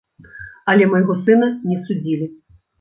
Але майго сына не судзілі.